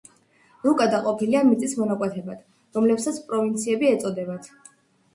რუკა დაყოფილია მიწის მონაკვეთებად, რომლებსაც პროვინციები ეწოდებათ.